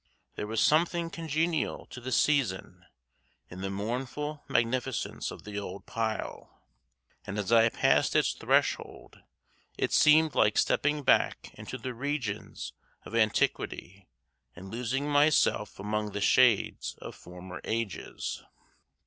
There was something congenial to the season in the mournful magnificence of the old pile, and as I passed its threshold it seemed like stepping back into the regions of antiquity and losing myself among the shades of former ages.